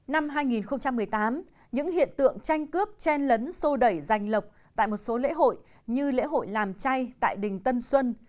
năm hai nghìn một mươi tám những hiện tượng tranh cướp chen lấn sô đẩy giành lộc tại một số lễ hội như lễ hội làm chay tại đình tân xuân